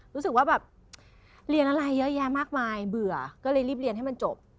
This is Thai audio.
รู้สึกว่าแบบเรียนอะไรเยอะแยะมากมายเบื่อก็เลยรีบเรียนให้มันจบ